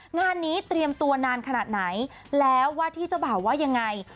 งานนี้เตรียมตัวนานขนาดไหนแล้วว่าที่เจ้าบ่าวว่ายังไง